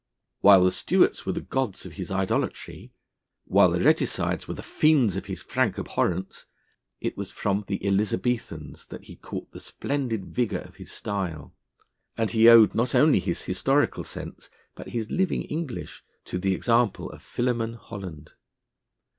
While the Stuarts were the gods of his idolatry, while the Regicides were the fiends of his frank abhorrence, it was from the Elizabethans that he caught the splendid vigour of his style; and he owed not only his historical sense, but his living English to the example of Philemon Holland.